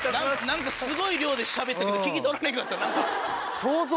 何かすごい量でしゃべったけど聞き取られんかった。